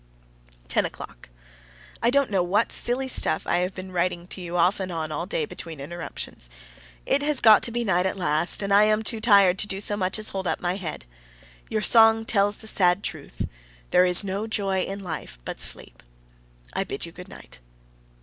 TEN O'CLOCK. I don't know what silly stuff I have been writing to you off and on all day, between interruptions. It has got to be night at last, and I am too tired to do so much as hold up my head. Your song tells the sad truth, "There is no joy in life but sleep." I bid you good night.